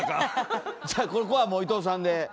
じゃあここはもう伊藤さんで。